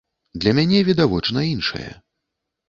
Для мяне відавочна іншае.